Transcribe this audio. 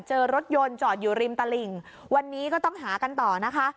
เจอรถยนต์จอดอยู่ริมตลิ่งวันนี้ก็ต้องหากันต่อนะคะ